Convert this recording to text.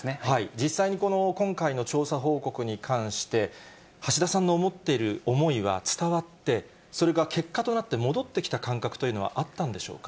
実際に今回の調査報告に関して、橋田さんの持っている思いは伝わって、それが結果となって戻ってきた感覚というのはあったんでしょうか。